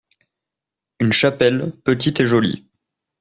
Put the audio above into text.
Une chapelle, petite et jolie.